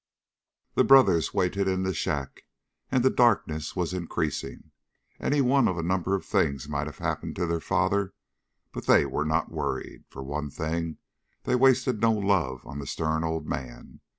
The brothers waited in the shack, and the darkness was increasing. Any one of a number of things might have happened to their father, but they were not worried. For one thing, they wasted no love on the stern old man.